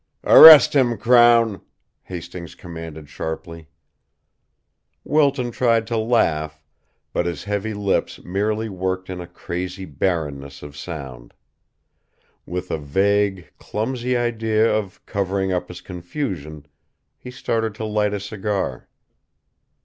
"Arrest him, Crown!" Hastings commanded sharply. Wilton tried to laugh, but his heavy lips merely worked in a crazy barrenness of sound. With a vague, clumsy idea of covering up his confusion, he started to light a cigar.